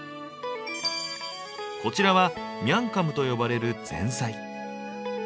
こちらは「ミャンカム」と呼ばれる前菜。